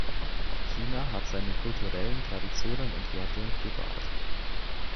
China hat seine kulturellen Traditionen und Werte bewahrt.